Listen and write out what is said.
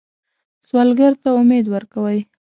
سوالګر ته امید ورکوئ